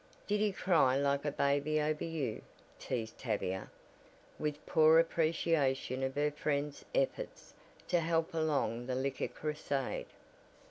"Did he cry like a baby over you?" teased Tavia, with poor appreciation of her friend's efforts to help along the Liquor Crusade.